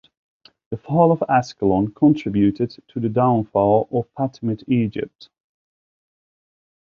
The fall of Ascalon contributed to the downfall of Fatimid Egypt.